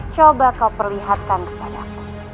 coba kau perlihatkan kepada aku